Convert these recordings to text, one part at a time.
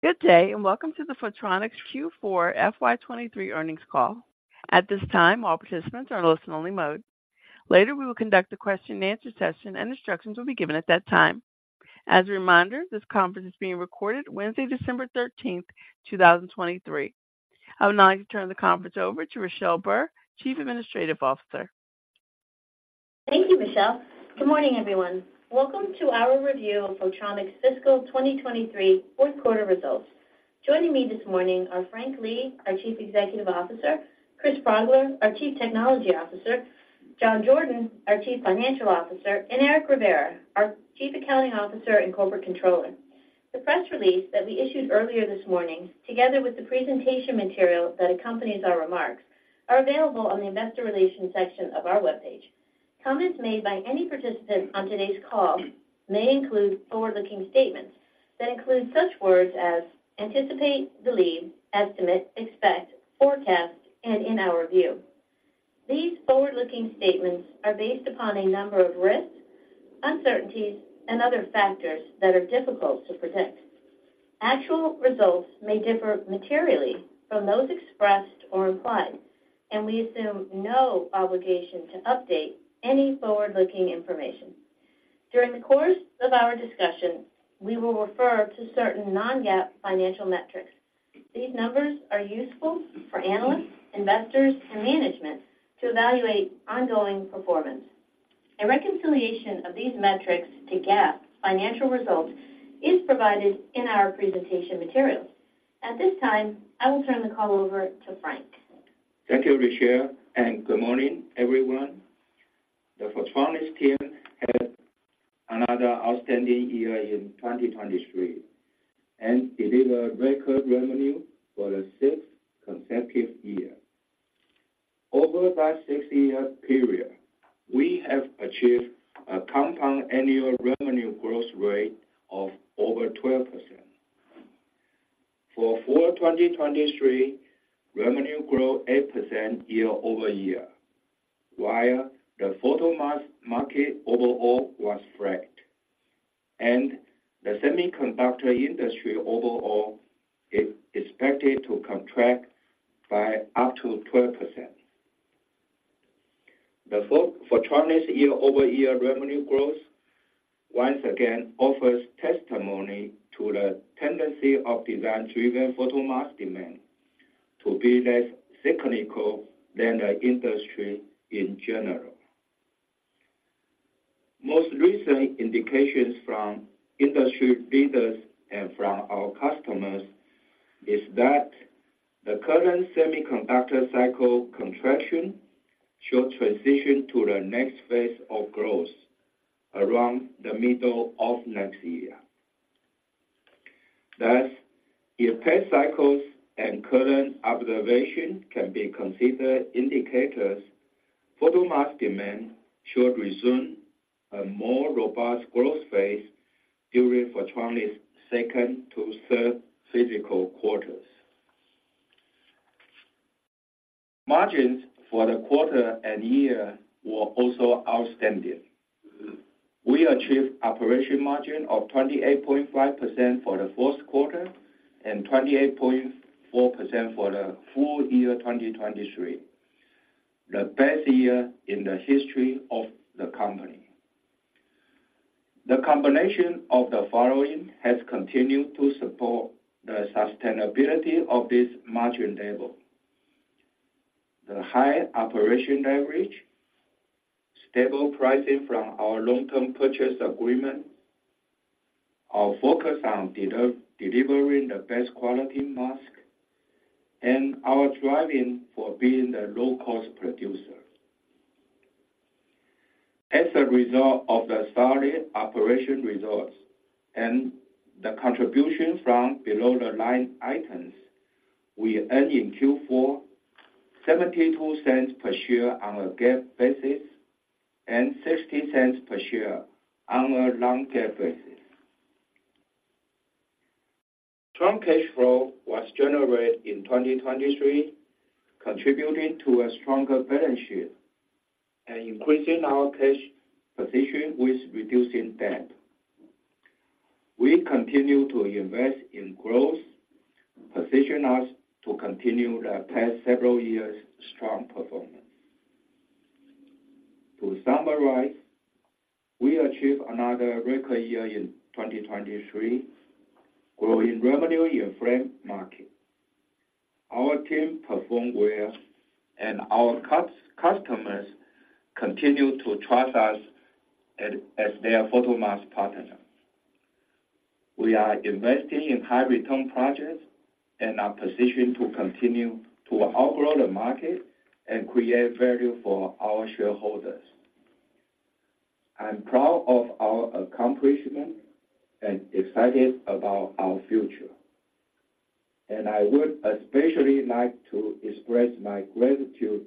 Good day, and welcome to the Photronics Q4 FY 2023 earnings call. At this time, all participants are in listen-only mode. Later, we will conduct a question and answer session, and instructions will be given at that time. As a reminder, this conference is being recorded Wednesday, December 13, 2023. I would now like to turn the conference over to Richelle Burr, Chief Administrative Officer. Thank you, Michelle. Good morning, everyone. Welcome to our review of Photronics' fiscal 2023 fourth quarter results. Joining me this morning are Frank Lee, our Chief Executive Officer, Chris Progler, our Chief Technology Officer, John Jordan, our Chief Financial Officer, and Eric Rivera, our Chief Accounting Officer and Corporate Controller. The press release that we issued earlier this morning, together with the presentation material that accompanies our remarks, are available on the Investor Relations section of our webpage. Comments made by any participant on today's call may include forward-looking statements that include such words as: anticipate, believe, estimate, expect, forecast, and in our view. These forward-looking statements are based upon a number of risks, uncertainties, and other factors that are difficult to predict. Actual results may differ materially from those expressed or implied, and we assume no obligation to update any forward-looking information. During the course of our discussion, we will refer to certain non-GAAP financial metrics. These numbers are useful for analysts, investors, and management to evaluate ongoing performance. A reconciliation of these metrics to GAAP financial results is provided in our presentation materials. At this time, I will turn the call over to Frank. Thank you, Richelle, and good morning, everyone. The Photronics team had another outstanding year in 2023 and delivered record revenue for the sixth consecutive year. Over that six-year period, we have achieved a compound annual revenue growth rate of over 12%. For full 2023, revenue grew 8% year-over-year, while the photomask market overall was flat and the semiconductor industry overall is expected to contract by up to 12%. The Photronics year-over-year revenue growth once again offers testimony to the tendency of design-driven photomask demand to be less cyclical than the industry in general. Most recent indications from industry leaders and from our customers is that the current semiconductor cycle contraction should transition to the next phase of growth around the middle of next year. Thus, if past cycles and current observation can be considered indicators, photomask demand should resume a more robust growth phase during Photronics' second to third fiscal quarters. Margins for the quarter and year were also outstanding. We achieved operating margin of 28.5% for the fourth quarter and 28.4% for the full year, 2023, the best year in the history of the company. The combination of the following has continued to support the sustainability of this margin level: the high operating leverage, stable pricing from our long-term purchase agreement, our focus on delivering the best quality mask, and our driving for being the low-cost producer. As a result of the solid operating results and the contribution from below the line items, we earned in Q4, $0.72 per share on a GAAP basis and $0.60 per share on a non-GAAP basis. Strong cash flow was generated in 2023, contributing to a stronger balance sheet and increasing our cash position with reducing debt. We continue to invest in growth, position us to continue the past several years' strong performance. To summarize, we achieved another record year in 2023, growing revenue in market. Our team performed well, and our customers continue to trust us as their photomask partner. We are investing in high-return projects and are positioned to continue to outgrow the market and create value for our shareholders. I'm proud of our accomplishment and excited about our future, and I would especially like to express my gratitude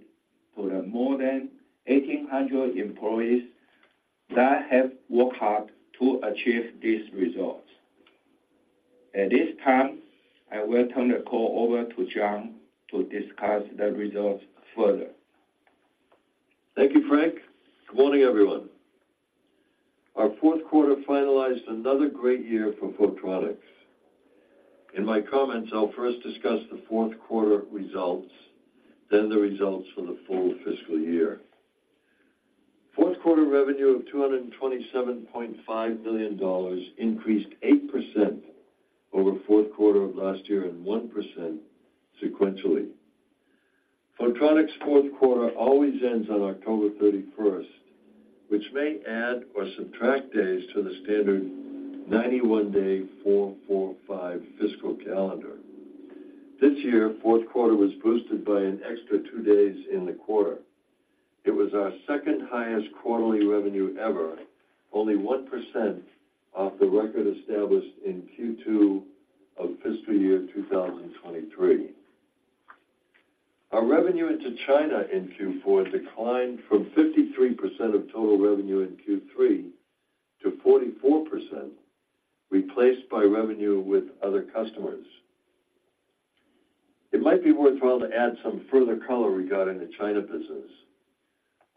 to the more than 1,800 employees that have worked hard to achieve these results. At this time, I will turn the call over to John to discuss the results further. Thank you, Frank. Good morning, everyone. Our fourth quarter finalized another great year for Photronics. In my comments, I'll first discuss the fourth quarter results, then the results for the full fiscal year. Fourth quarter revenue of $227.5 million increased 8% over fourth quarter of last year and 1% sequentially. Photronics' fourth quarter always ends on October 31st, which may add or subtract days to the standard 91-day 4-4-5 fiscal calendar. This year, fourth quarter was boosted by an extra two days in the quarter. It was our second-highest quarterly revenue ever, only 1% off the record established in Q2 of fiscal year 2023. Our revenue into China in Q4 declined from 53% of total revenue in Q3 to 44%, replaced by revenue with other customers. It might be worthwhile to add some further color regarding the China business.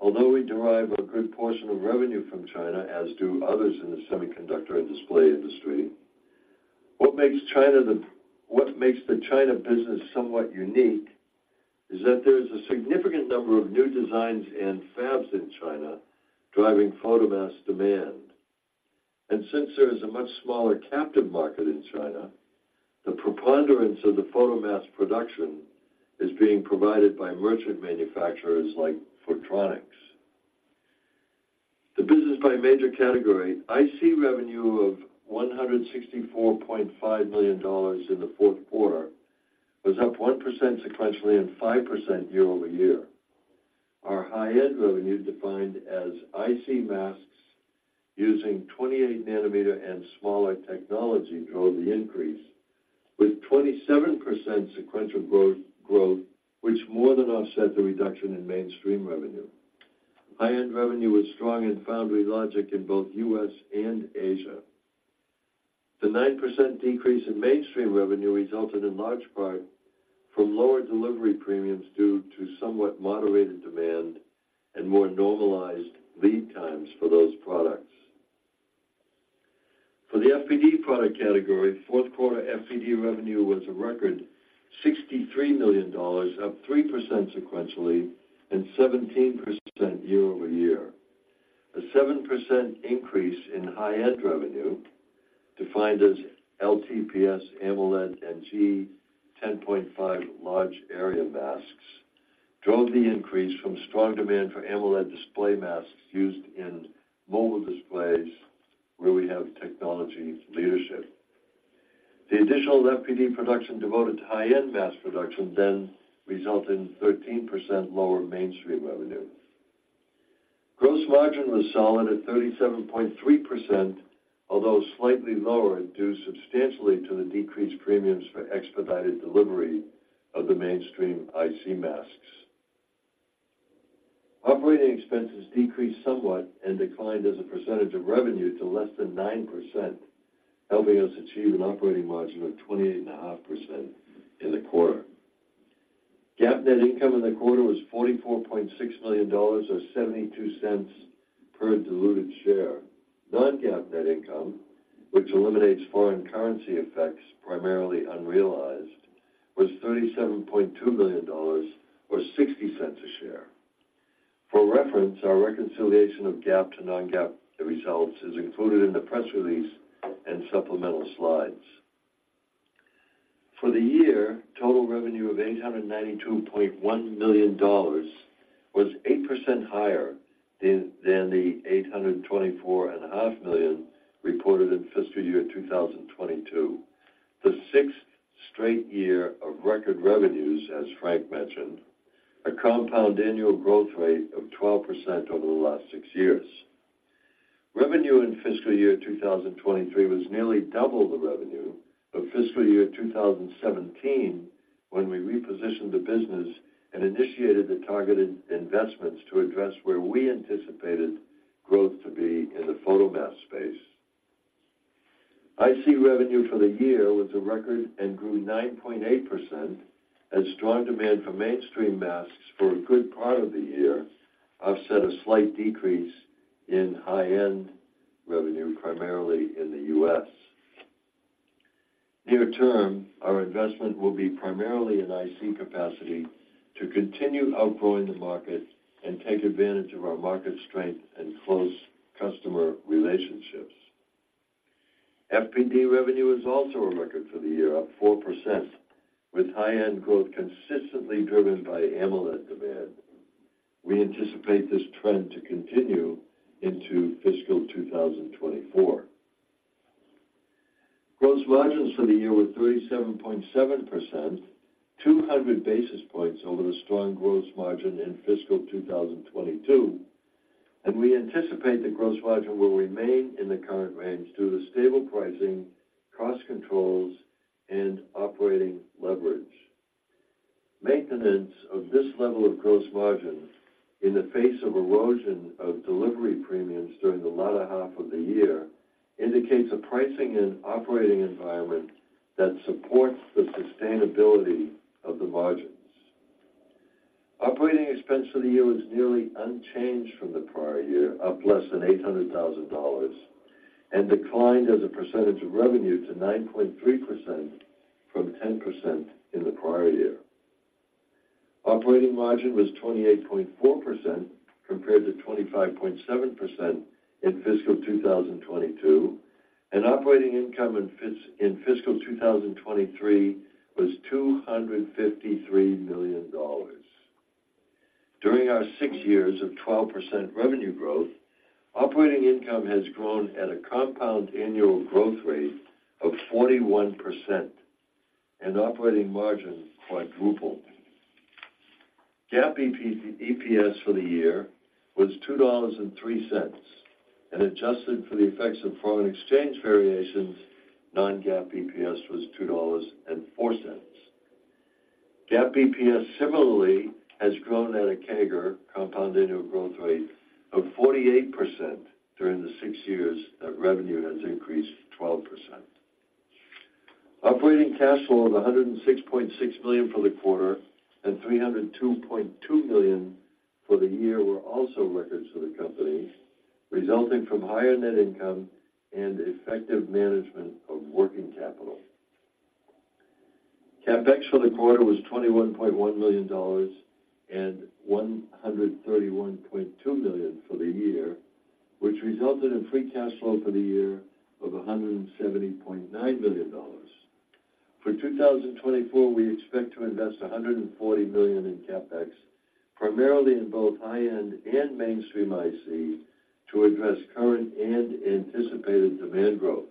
Although we derive a good portion of revenue from China, as do others in the semiconductor and display industry, what makes the China business somewhat unique is that there is a significant number of new designs and fabs in China driving photomask demand. Since there is a much smaller captive market in China, the preponderance of the photomask production is being provided by merchant manufacturers like Photronics. The business by major category, IC revenue of $164.5 million in the fourth quarter was up 1% sequentially and 5% year-over-year. Our high-end revenue, defined as IC masks using 28 nm and smaller technology, drove the increase with 27% sequential growth, which more than offset the reduction in mainstream revenue. High-end revenue was strong in foundry logic in both U.S. and Asia. The 9% decrease in mainstream revenue resulted in large part from lower delivery premiums due to somewhat moderated demand and more normalized lead times for those products. For the FPD product category, fourth quarter FPD revenue was a record $63 million, up 3% sequentially and 17% year-over-year. A 7% increase in high-end revenue, defined as LTPS, AMOLED, and G10.5 large area masks, drove the increase from strong demand for AMOLED display masks used in mobile displays where we have technology leadership. The additional FPD production devoted to high-end mask production then resulted in 13% lower mainstream revenue. Gross margin was solid at 37.3%, although slightly lower, due substantially to the decreased premiums for expedited delivery of the mainstream IC masks. Operating expenses decreased somewhat and declined as a percentage of revenue to less than 9%, helping us achieve an operating margin of 28.5% in the quarter. GAAP net income in the quarter was $44.6 million, or $0.72 per diluted share. Non-GAAP net income, which eliminates foreign currency effects, primarily unrealized, was $37.2 million or $0.60 a share. For reference, our reconciliation of GAAP to non-GAAP results is included in the press release and supplemental slides. For the year, total revenue of $892.1 million was 8% higher than the $824.5 million reported in fiscal year 2022. The sixth straight year of record revenues, as Frank mentioned, a compound annual growth rate of 12% over the last six years. Revenue in fiscal year 2023 was nearly double the revenue of fiscal year 2017, when we repositioned the business and initiated the targeted investments to address where we anticipated growth to be in the photomask space. IC revenue for the year was a record and grew 9.8%, as strong demand for mainstream masks for a good part of the year offset a slight decrease in high-end revenue, primarily in the U.S. Near term, our investment will be primarily in IC capacity to continue outgrowing the market and take advantage of our market strength and close customer relationships. FPD revenue is also a record for the year, up 4%, with high-end growth consistently driven by AMOLED demand. We anticipate this trend to continue into fiscal year 2024. Gross margins for the year were 37.7%, 200 basis points over the strong gross margin in fiscal 2022, and we anticipate the gross margin will remain in the current range due to stable pricing, cost controls, and operating leverage. Maintenance of this level of gross margin in the face of erosion of delivery premiums during the latter half of the year indicates a pricing and operating environment that supports the sustainability of the margins. Operating expense for the year was nearly unchanged from the prior year, up less than $800,000, and declined as a percentage of revenue to 9.3% from 10% in the prior year. Operating margin was 28.4%, compared to 25.7% in fiscal 2022, and operating income in fiscal 2023 was $253 million. During our six years of 12% revenue growth, operating income has grown at a compound annual growth rate of 41%, and operating margin quadrupled. GAAP EPS for the year was $2.03, and adjusted for the effects of foreign exchange variations, non-GAAP EPS was $2.04. GAAP EPS similarly has grown at a CAGR, compound annual growth rate, of 48% during the six years that revenue has increased 12%. Operating cash flow of $106.6 million for the quarter and $302.2 million for the year were also records for the company, resulting from higher net income and effective management of working capital. CapEx for the quarter was $21.1 million and $131.2 million for the year, which resulted in free cash flow for the year of $170.9 million. For 2024, we expect to invest $140 million in CapEx, primarily in both high-end and mainstream ICs, to address current and anticipated demand growth.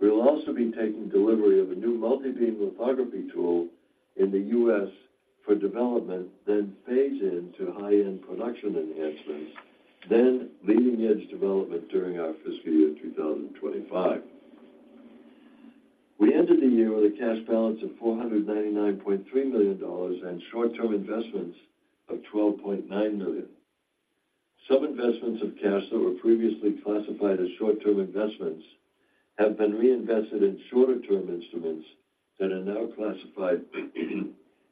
We'll also be taking delivery of a new multi-beam lithography tool in the U.S. for development, then phase in to high-end production enhancements, then leading-edge development during our fiscal year 2025. We ended the year with a cash balance of $499.3 million and short-term investments of $12.9 million. Some investments of cash that were previously classified as short-term investments have been reinvested in shorter term instruments that are now classified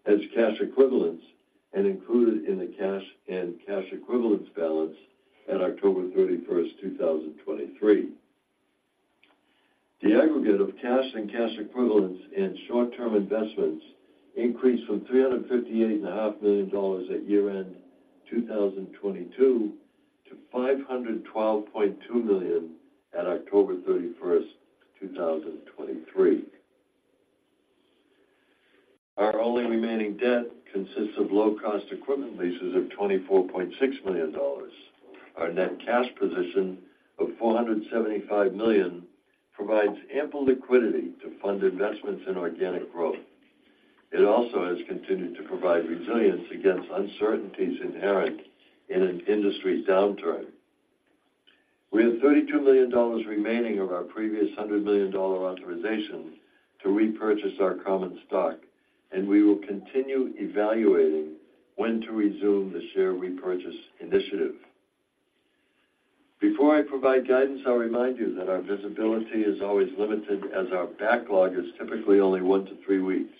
as cash equivalents and included in the cash and cash equivalents balance at October 31st, 2023. The aggregate of cash and cash equivalents and short-term investments increased from $358.5 million at year-end 2022 to $512.2 million at October 31st, 2023. Our only remaining debt consists of low-cost equipment leases of $24.6 million. Our net cash position of $475 million provides ample liquidity to fund investments in organic growth. It also has continued to provide resilience against uncertainties inherent in an industry downturn. We have $32 million remaining of our previous $100 million authorization to repurchase our common stock, and we will continue evaluating when to resume the share repurchase initiative. Before I provide guidance, I'll remind you that our visibility is always limited, as our backlog is typically only one to three weeks,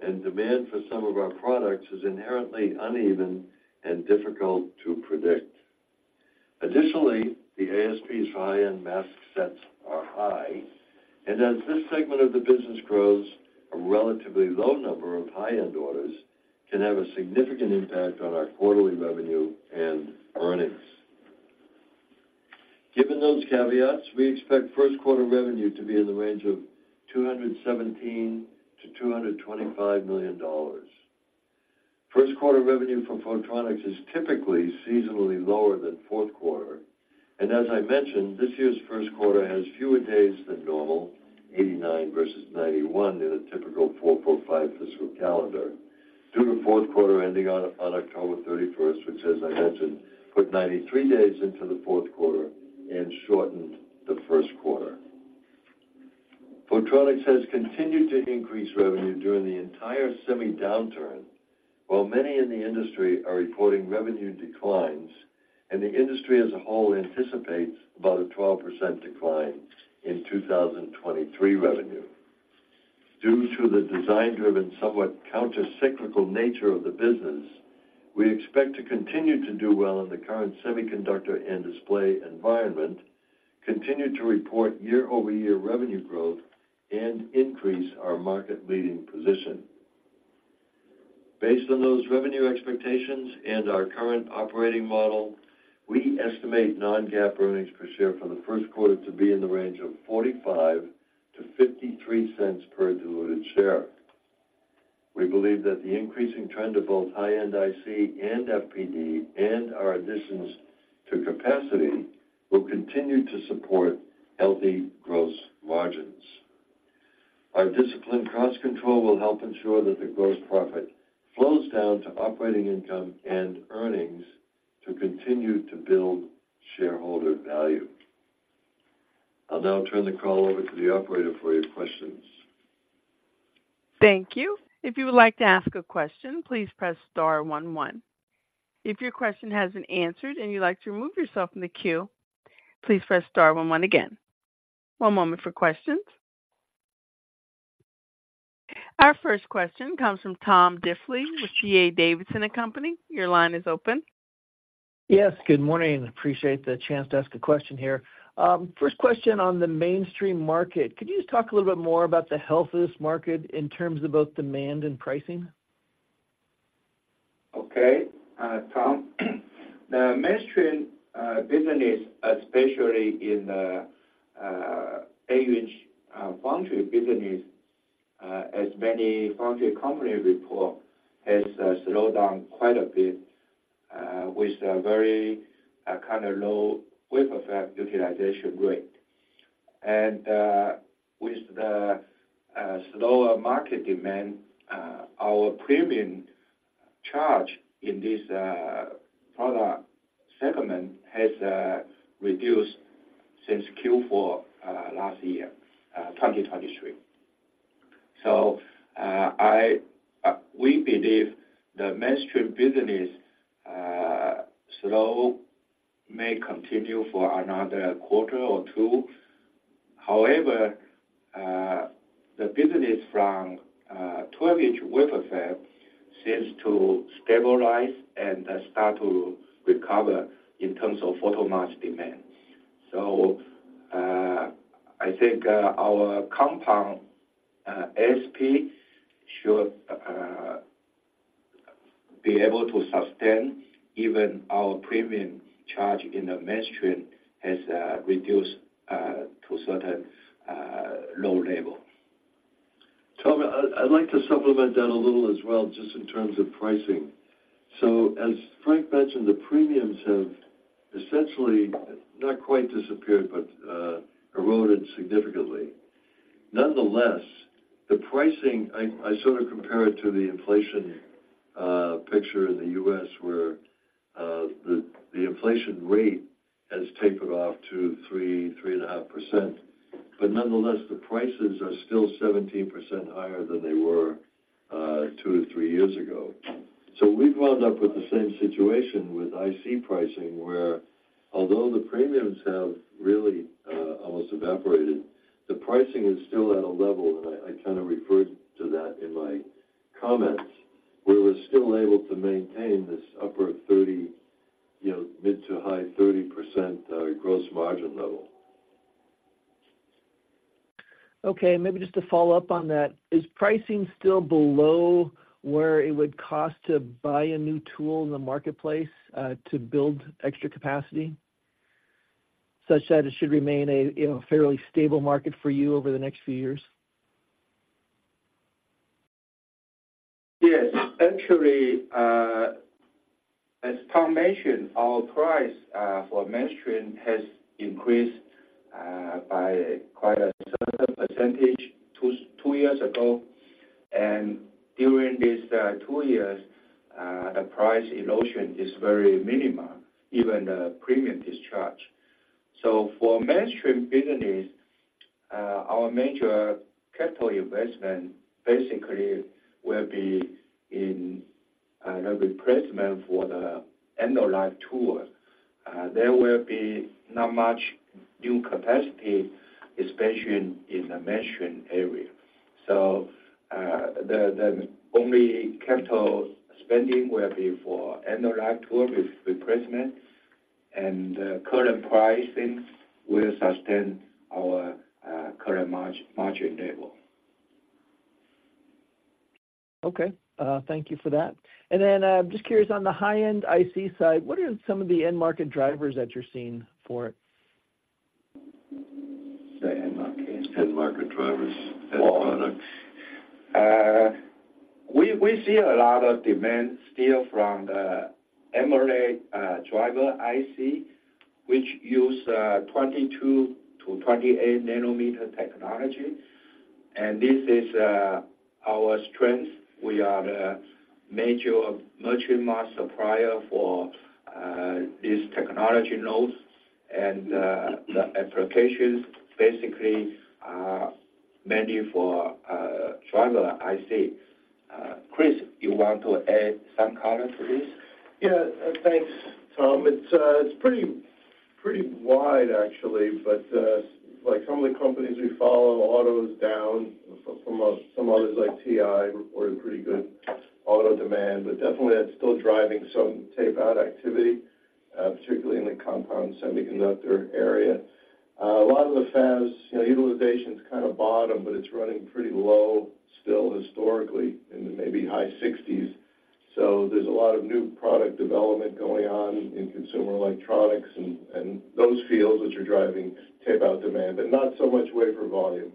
and demand for some of our products is inherently uneven and difficult to predict. Additionally, the ASPs for high-end mask sets are high, and as this segment of the business grows, a relatively low number of high-end orders can have a significant impact on our quarterly revenue and earnings. Given those caveats, we expect first quarter revenue to be in the range of $217 million-$225 million. First quarter revenue from Photronics is typically seasonally lower than fourth quarter. As I mentioned, this year's first quarter has fewer days than normal, 89 versus 91 in a typical 4-4-5 fiscal calendar, due to fourth quarter ending on October 31st, which, as I mentioned, put 93 days into the fourth quarter and shortened the first quarter. Photronics has continued to increase revenue during the entire semi downturn, while many in the industry are reporting revenue declines, and the industry as a whole anticipates about a 12% decline in 2023 revenue. Due to the design-driven, somewhat countercyclical nature of the business, we expect to continue to do well in the current semiconductor and display environment, continue to report year-over-year revenue growth, and increase our market-leading position. Based on those revenue expectations and our current operating model, we estimate non-GAAP earnings per share for the first quarter to be in the range of $0.45-$0.53 per diluted share. We believe that the increasing trend of both high-end IC and FPD, and our additions to capacity, will continue to support healthy gross margins. Our disciplined cost control will help ensure that the gross profit flows down to operating income and earnings to continue to build shareholder value. I'll now turn the call over to the operator for your questions. Thank you. If you would like to ask a question, please press star one one. If your question hasn't answered and you'd like to remove yourself from the queue, please press star one one again. One moment for questions. Our first question comes from Tom Diffely with D.A. Davidson & Co. Your line is open. Yes, good morning. Appreciate the chance to ask a question here. First question on the mainstream market, could you just talk a little bit more about the health of this market in terms of both demand and pricing? Okay, Tom, the mainstream business, especially in the 8-inch foundry business, as many foundry companies report, has slowed down quite a bit, with a very kinda low wafer fab utilization rate. And, with the slower market demand, our premium charge in this product segment has reduced since Q4 last year, 2023. So, we believe the mainstream business slow may continue for another quarter or two. However, the business from 12-inch wafer fab seems to stabilize and start to recover in terms of photomask demand. So, I think, our ASP should be able to sustain even our premium charge in the mainstream has reduced to a certain low level. Tom, I, I'd like to supplement that a little as well, just in terms of pricing. So as Frank mentioned, the premiums have essentially not quite disappeared, but eroded significantly. Nonetheless, the pricing, I, I sort of compare it to the inflation picture in the U.S., where the inflation rate has tapered off to 3%-3.5%. But nonetheless, the prices are still 17% higher than they were two to three years ago. So we've wound up with the same situation with IC pricing, where although the premiums have really almost evaporated, the pricing is still at a level, and I, I kind of referred to that in my comments, where we're still able to maintain this upper 30%, you know, mid- to high-30%, gross margin level. Okay, maybe just to follow up on that, is pricing still below where it would cost to buy a new tool in the marketplace, to build extra capacity, such that it should remain a, you know, fairly stable market for you over the next few years? Yes, actually, as Tom mentioned, our price for mainstream has increased by quite a certain percentage two years ago, and during these two years, the price erosion is very minimal, even the premium is charged. So for mainstream business, our major capital investment basically will be in replacement for the end-of-life tools. There will be not much new capacity, especially in the mainstream area. So, the only capital spending will be for end-of-life tool with replacement, and current pricing will sustain our current margin level. Okay, thank you for that. And then I'm just curious, on the high-end IC side, what are some of the end market drivers that you're seeing for it? The end market? End market drivers. End product. We see a lot of demand still from the AMOLED driver IC, which use 22 nm-28 nm technology, and this is our strength. We are the major merchant mask supplier for these technology nodes and the applications basically are mainly for driver IC. Chris, you want to add some color to this? Yeah, thanks, Tom. It's pretty wide actually, but like some of the companies we follow, auto is down. Some others, like TI, reported pretty good auto demand, but definitely that's still driving some tape-out activity, particularly in the compound semiconductor area. A lot of the fabs, you know, utilization's kind of bottom, but it's running pretty low still historically, in the maybe high 60s%. So there's a lot of new product development going on in consumer electronics and those fields which are driving tape-out demand, but not so much wafer volume.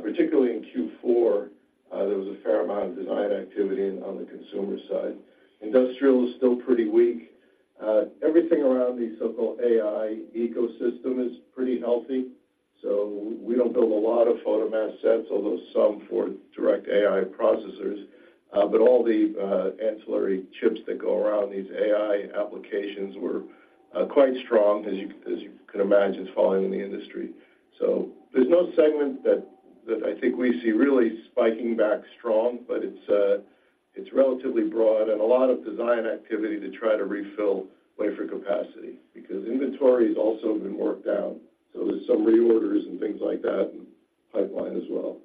Particularly in Q4, there was a fair amount of design activity in on the consumer side. Industrial is still pretty weak. Everything around the so-called AI ecosystem is pretty healthy, so we don't build a lot of photomask sets, although some for direct AI processors. But all the ancillary chips that go around these AI applications were quite strong, as you, as you can imagine. It's following in the industry. So there's no segment that I think we see really spiking back strong, but it's relatively broad and a lot of design activity to try to refill wafer capacity, because inventory has also been worked out. So there's some reorders and things like that in pipeline as well.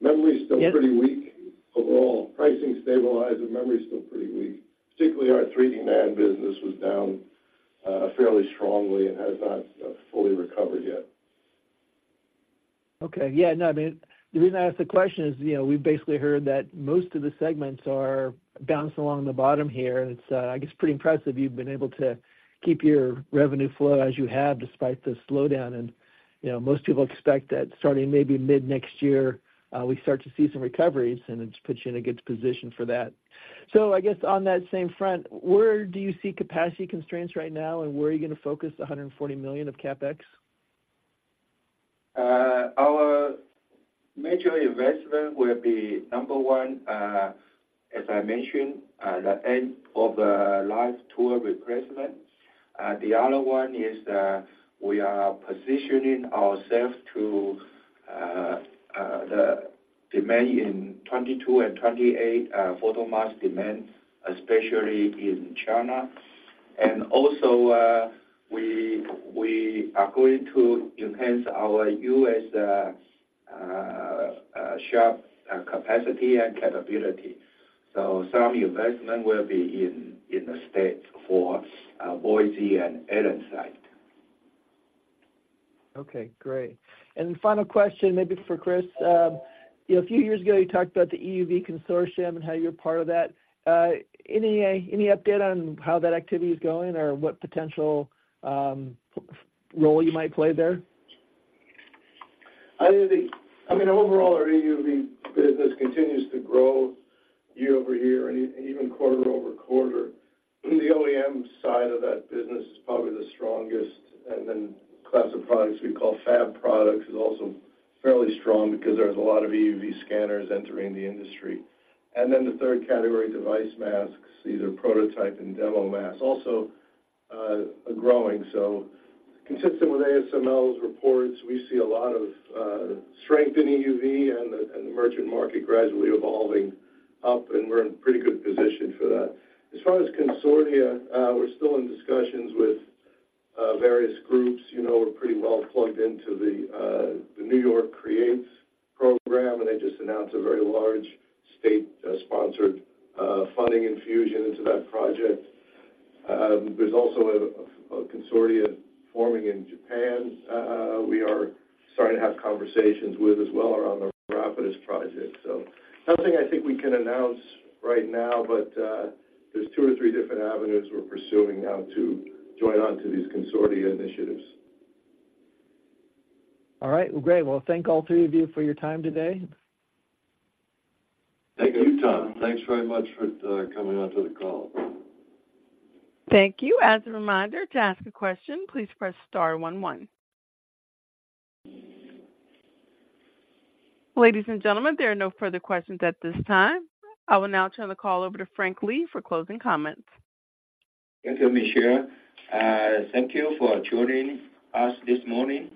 Memory is still pretty weak. Overall, pricing stabilized, but memory is still pretty weak. Particularly, our 3D NAND business was down fairly strongly and has not fully recovered yet. Okay. Yeah, no, I mean, the reason I ask the question is, you know, we've basically heard that most of the segments are bouncing along the bottom here, and it's, I guess, pretty impressive you've been able to keep your revenue flow as you have, despite the slowdown. You know, most people expect that starting maybe mid-next year, we start to see some recoveries, and it puts you in a good position for that. So I guess on that same front, where do you see capacity constraints right now, and where are you going to focus the $140 million of CapEx? Our major investment will be, number one, as I mentioned, at the end of the life tool replacement. The other one is that we are positioning ourselves to the demand in 22 nm and 28 nm photomask demand, especially in China. Also, we are going to enhance our U.S. shop capacity and capability. Some investment will be in the States for Boise and Allen site. Okay, great. And final question, maybe for Chris. A few years ago, you talked about the EUV consortium and how you're part of that. Any update on how that activity is going or what potential role you might play there? I think, I mean, overall, our EUV business continues to grow year-over-year and even quarter-over-quarter. The OEM side of that business is probably the strongest, and then class of products we call fab products is also fairly strong because there's a lot of EUV scanners entering the industry. And then the third category, device masks, either prototype and demo masks, also, are growing. So consistent with ASML's reports, we see a lot of, strength in EUV and the, and the merchant market gradually evolving up, and we're in pretty good position for that. As far as consortia, we're still in discussions with, various groups. You know, we're pretty well plugged into the, the New York CREATES program, and they just announced a very large state, sponsored, funding infusion into that project. There's also a consortia forming in Japan, we are starting to have conversations with as well around the Rapidus project. So nothing I think we can announce right now, but there's two or three different avenues we're pursuing now to join on to these consortia initiatives. All right. Well, great. Well, thank all three of you for your time today. Thank you, Tom. Thanks very much for coming on to the call. Thank you. As a reminder, to ask a question, please press star one, one. Ladies and gentlemen, there are no further questions at this time. I will now turn the call over to Frank Lee for closing comments. Thank you, Richelle. Thank you for joining us this morning.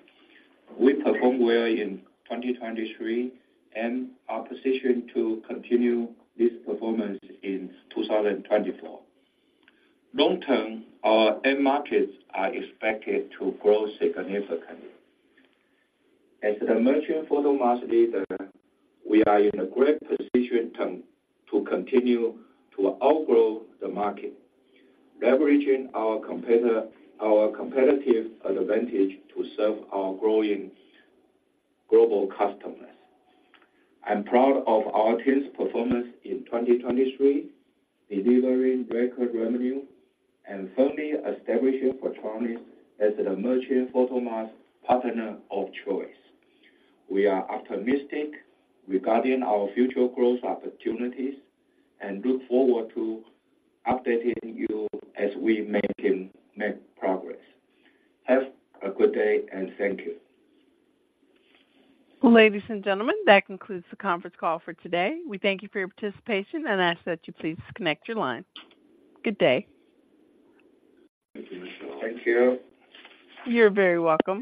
We performed well in 2023 and are positioned to continue this performance in 2024. Long term, our end markets are expected to grow significantly. As the merchant photomask leader, we are in a great position to continue to outgrow the market, leveraging our competitive advantage to serve our growing global customers. I'm proud of our team's performance in 2023, delivering record revenue and firmly establishing Photronics as the merchant photomask partner of choice. We are optimistic regarding our future growth opportunities and look forward to updating you as we make progress. Have a good day, and thank you. Ladies and gentlemen, that concludes the conference call for today. We thank you for your participation and ask that you please disconnect your line. Good day. Thank you, Michelle. Thank you. You're very welcome.